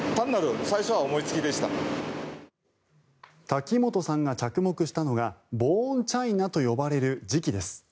滝本さんが着目したのがボーンチャイナと呼ばれる磁器です。